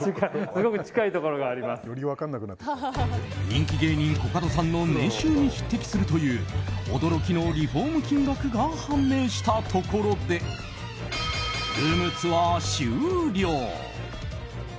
人気芸人コカドさんの年収に匹敵するという驚きのリフォーム金額が判明したところでルームツアー終了。